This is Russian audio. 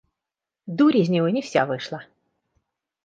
Дурь из него не вся вышла.